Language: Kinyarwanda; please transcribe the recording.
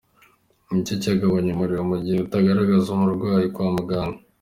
Ese niki cyagabanya umuriro mu gihe utarageza umurwayi kwa muganga?.